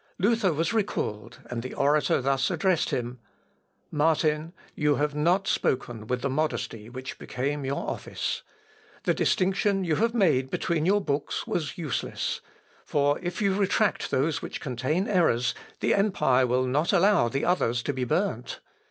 Luther was recalled, and the orator thus, addressed him: "Martin, you have not spoken with the modesty which became your office. The distinction you have made between your books was useless, for if you retract those which contain errors, the empire will not allow the others to be burnt.